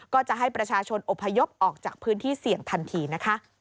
ก็จะให้ประชาชนอบพยพออกจากพื้นที่เสี่ยงทันทีนะคะ